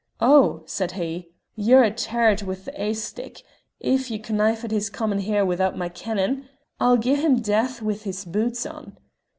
'Oh.' said he, 'ye're a' tarred wi' the ae stick: if ye connive at his comin' here without my kennin', I'll gie him death wi' his boots on!'